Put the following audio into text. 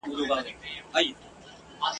پر اټک مي رپېدلی بیرغ غواړم ..